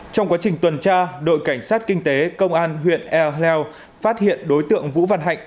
trong quá trình tuần tra đội cảnh sát kinh tế công an huyện ea heo phát hiện đối tượng vũ văn hạnh